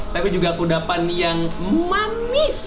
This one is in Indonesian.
tapi juga kudapan yang manis